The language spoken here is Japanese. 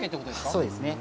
そうですね。